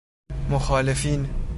مخالفین